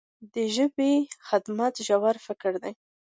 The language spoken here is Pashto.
د ژبې خدمت ژور فکر دی.